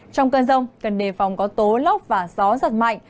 trong cơn rông cần đề phòng có tố lóc và gió rất mạnh